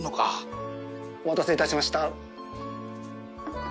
お待たせいたしました。